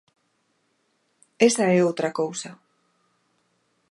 Esa é outra cousa.